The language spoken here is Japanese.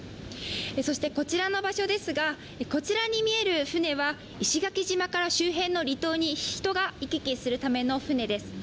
そしてこちらの場所ですがこちらに見える船は石垣島から周辺の離島に人が行き来するための船です。